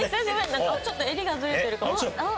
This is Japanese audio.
なんかちょっと襟がずれてるかも。